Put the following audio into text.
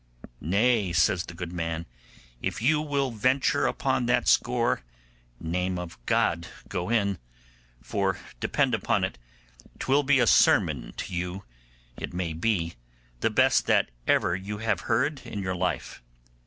'Nay,' says the good man, 'if you will venture upon that score, name of God go in; for, depend upon it, 'twill be a sermon to you, it may be, the best that ever you heard in your life.